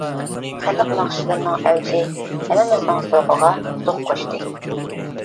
خەلق ناخشىلىرىنىڭ ئەۋجى ھەممىمىزنىڭ زوقىغا زوق قوشتى.